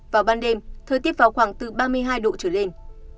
vào ban đêm thời tiết vào khoảng từ ba mươi hai độ trở lên